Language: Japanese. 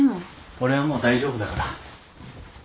俺はもう大丈夫だから。